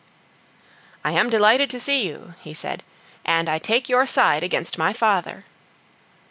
"I am delighted to see you," he said, "and I take your side against my father."